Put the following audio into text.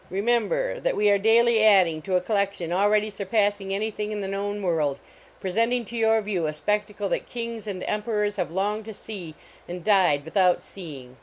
Remember that we are daily 181 THE OLD ROAD SHOW adding to a collection already surpassing anything in the known world, presenting to your view a spectacle that kings and em perors have longed to see, and died without seeing.